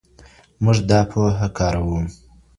موږ دا پوهه کاروو.